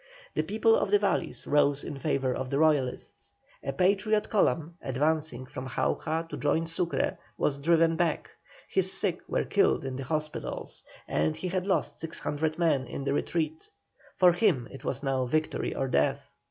The people of the valleys rose in favour of the Royalists. A Patriot column, advancing from Jauja to join Sucre, was driven back; his sick were killed in the hospitals; and he had lost 600 men in the retreat. For him it was now victory or death.